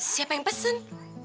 siapa yang pesen